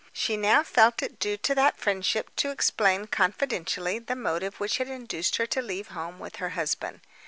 She now felt it due to that friendship to explain confidentially the motive which had induced her to leave home with her husband.